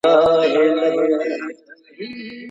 کارغان سپین نه وي.